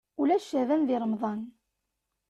Ulac ceεban deg remḍan.